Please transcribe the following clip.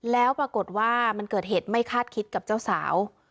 แล้วปรากฏว่ามันเกิดเหตุไม่คาดคิดกับเจ้าสาว